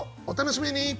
お楽しみに！